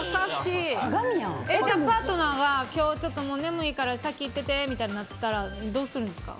じゃあパートナーが今日ちょっと眠いから先行っててみたいになったらどうするんですか？